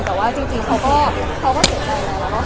แต่ว่าจริงเขาก็เสียใจแล้วเนาะ